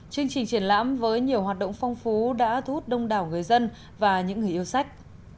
chương trình triển lãm với nhiều hoạt động phong phú đã thu hút đông đảo người dân và những người yêu sách